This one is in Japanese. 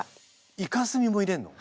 イカスミも入れんの！？